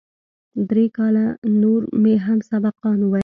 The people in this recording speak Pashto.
درې کاله نور مې هم سبقان وويل.